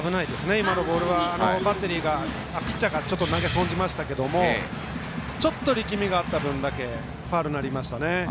今のボールはバッテリーピッチャーが投げ損じましたけどちょっと力みがあった分だけファウルになりましたね。